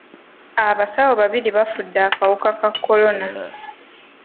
Abasawo babiri bafudde akawuka ka kolona.